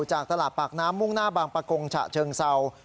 จากตลาดปากน้ำมุ่งหน้าบางประกงฉะเชิงเศร้า